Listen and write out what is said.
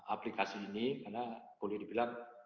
aplikasi ini karena boleh dibilang